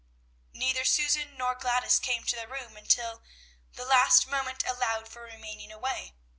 Neither Susan nor Gladys came to their room until the last moment allowed for remaining away.